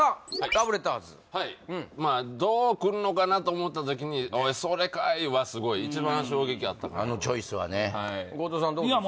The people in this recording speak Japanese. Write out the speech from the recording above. ラブレターズはいまあどう来るのかなと思った時に「おいそれかい！」はすごい一番衝撃あったかなあのチョイスはね後藤さんどうですか？